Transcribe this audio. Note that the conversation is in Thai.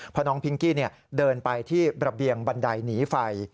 เพราะน้องพิงกี้เดินไปที่ระเบียงบันไดหนีไฟ